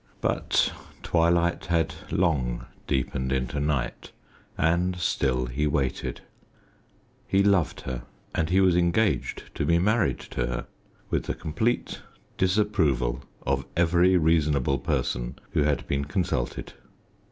But twilight had long deepened into night, and still he waited. He loved her, and he was engaged to be married to her, with the complete disapproval of every reasonable person who had been consulted.